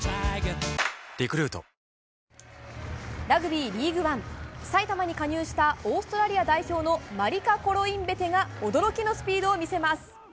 ラグビー、リーグワン埼玉に加入したオーストラリア代表のマリカ・コロインベテが驚きのスピードを見せます。